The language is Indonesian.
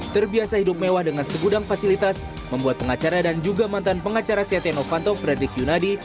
terbiasa hidup mewah dengan segudang fasilitas membuat pengacara dan juga mantan pengacara setia novanto frederick yunadi